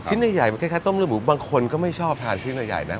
ใหญ่มันคล้ายต้มเลือดหมูบางคนก็ไม่ชอบทานชิ้นใหญ่นะ